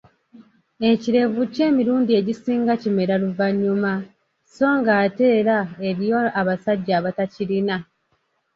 Ekirevu kyo emilundi egisinga kimera luvanyuma so ng'ate era eriyo abasajja abatakirina